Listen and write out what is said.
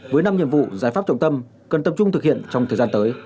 với năm nhiệm vụ giải pháp trọng tâm cần tập trung thực hiện trong thời gian tới